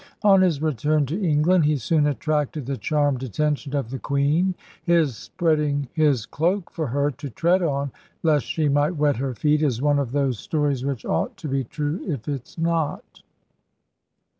On his return to England he soon attracted the charmed attention of the queen. His spreading his cloak for her to tread on, lest she might wet her feet, is one of those stories which ought to be true if it's not.